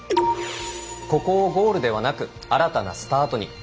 ここをゴールではなく新たなスタートに。